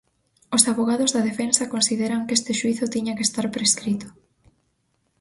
Os avogados da defensa consideran que este xuízo tiña que estar prescrito.